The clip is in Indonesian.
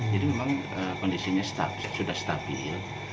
jadi memang kondisinya sudah stabil